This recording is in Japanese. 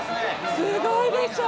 すごいでしょう。